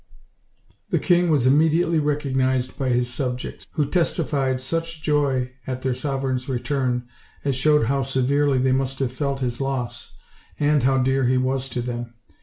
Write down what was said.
The king was immediately recognized by his subjects, who testified such joy at their sovereign's return as OLD, OLD FAIRY TALES. 171 showed how severely they must have felt his loss, ami how dear he was to them.